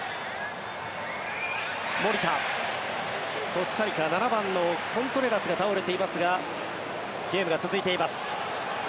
コスタリカは７番のコントレラスが倒れていますがゲームが続いています。